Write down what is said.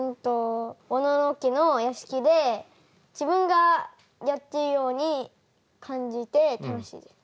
小野家の屋敷で自分がやっているように感じて楽しいです。